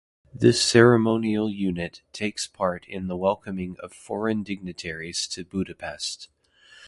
This ceremonial unit takes part in the welcoming of foreign dignitaries to Budapest.